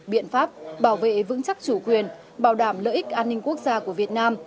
biện pháp bảo vệ vững chắc chủ quyền bảo đảm lợi ích an ninh quốc gia của việt nam